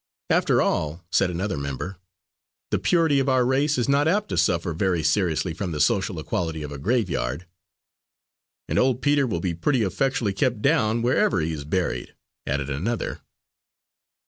"After all," said another member, "the purity of our race is not apt to suffer very seriously from the social equality of a graveyard." "And old Peter will be pretty effectually kept down, wherever he is buried," added another.